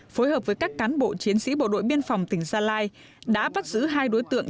phối hợp với các cán bộ chiến sĩ bộ đội biên phòng tỉnh gia lai đã bắt giữ hai đối tượng